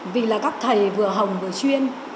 vì là các thầy vừa hồng vừa chuyên